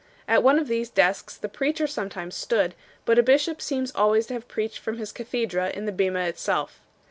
At one of these desks the preacher sometimes stood, but a bishop seems always to have preached from his cathedra in the bema itself.